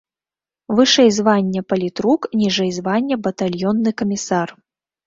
Вышэй звання палітрук, ніжэй звання батальённы камісар.